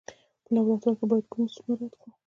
په لابراتوار کې باید کوم اصول مراعات کړو.